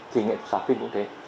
thì nghệ thuật xóa phim cũng thế